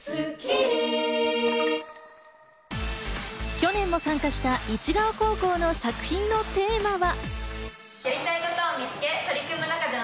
去年も参加した市ケ尾高校の作品のテーマは。